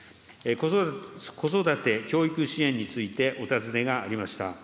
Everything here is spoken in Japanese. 子育て・教育支援について、お尋ねがありました。